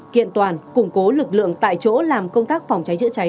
kiện toàn củng cố lực lượng tại chỗ làm công tác phòng cháy chữa cháy